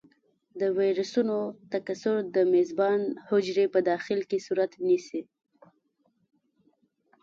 د ویروسونو تکثر د میزبان حجرې په داخل کې صورت نیسي.